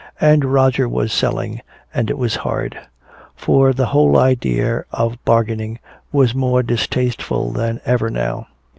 And Roger was selling, and it was hard; for the whole idea of bargaining was more distasteful than ever now.